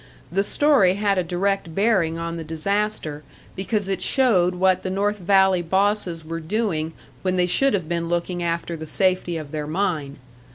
The story had a direct bearing on the disaster, because it showed what the North Valley bosses were doing when they should have been looking after the safety of their mine.